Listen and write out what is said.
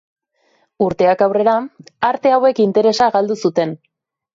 Urteak aurrera, arte hauek interesa galdu zuten.